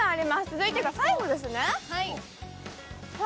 続いてが最後です。